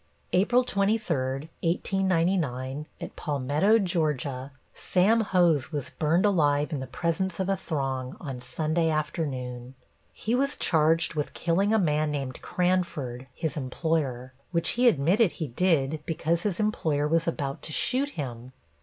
April 23, 1899, at Palmetto, Ga., Sam Hose was burned alive in the presence of a throng, on Sunday afternoon. He was charged with killing a man named Cranford, his employer, which he admitted he did because his employer was about to shoot him.